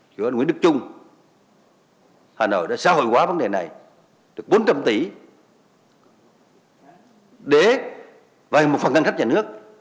với nguyễn đức trung hà nội đã xã hội hóa vấn đề này được bốn trăm linh tỷ để vài một phần ngăn khách nhà nước